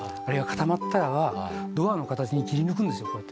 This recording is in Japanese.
あれが固まったらばドアの形に切り抜くんですよ